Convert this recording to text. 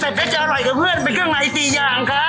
แต่เป็ดก็จะอร่อยกับเพื่อนเป็นเครื่องไม้๔อย่างครับ